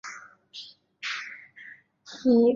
沃尔瑟姆斯托中心站是维多利亚线北端的端点车站。